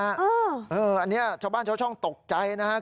อันนี้ช่องบ้านช่องตกใจนะครับ